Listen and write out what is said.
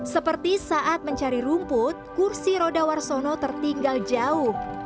seperti saat mencari rumput kursi roda warsono tertinggal jauh